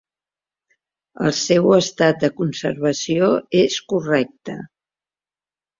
El seu estat de conservació és correcte.